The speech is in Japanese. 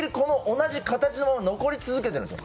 同じ形のものが残り続けているんですよ。